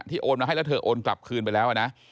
โอนมาให้แล้วเธอโอนกลับคืนไปแล้วนะ